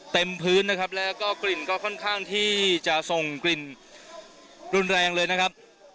เต็มพื้นนะครับแล้วก็กลิ่นก็ค่อนข้างที่จะส่งกลิ่นรุนแรงเลยนะครับ